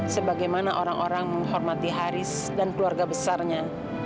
sebagaimana orang orang menghormati haris dan keluarga besarnya